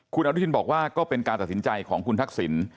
คุณอนุทินบอกว่าก็เป็นการตัดสินใจของคุณทักษิณ